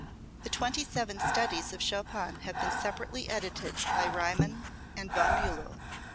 The twenty seven studies of Chopin have been separately edited by Riemann and Von Bulow.